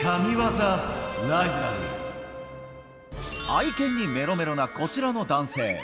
愛犬にメロメロなこちらの男性。